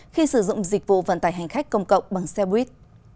khi sử dụng dịch vụ vận tải hành khách công cộng bằng xe buýt